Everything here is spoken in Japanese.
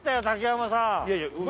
竹山さん。